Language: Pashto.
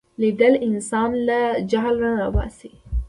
لیدل انسان له جهل نه را باسي